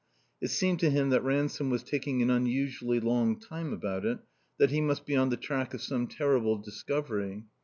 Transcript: It seemed to him that Ransome was taking an unusually long time about it, that he must be on the track of some terrible discovery.